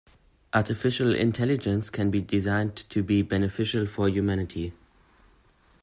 Artificial Intelligence can be designed to be beneficial for humanity.